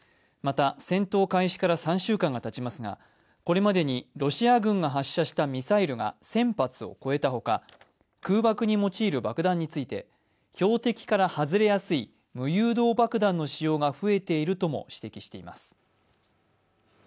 また戦闘開始から３週間がたちますが、これまでにロシア軍が発射したミサイルが１０００発を超えたほか空爆に用いる爆弾について標的から外れやすい無誘導爆弾の使用が増えているとも指摘しています。